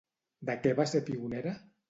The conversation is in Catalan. De què va ser pionera?